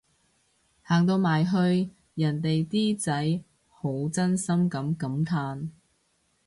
行到埋去人哋啲仔好真心噉感嘆